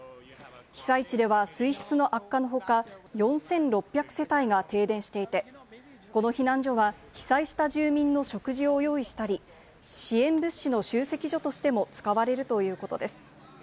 被災地では水質の悪化の他、４６００世帯が停電していて、この避難所は、被災した住民の食事を用意したり、支援物資の集積所としても使われるということです。